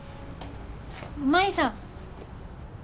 舞さん。